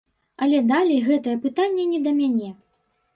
Але далей гэтае пытанне не да мяне.